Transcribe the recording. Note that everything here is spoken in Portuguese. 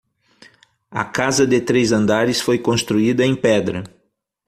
A casa de três andares foi construída em pedra.